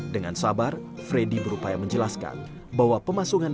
dengan sabar freddy berupaya menjelaskan bahwa pemasungan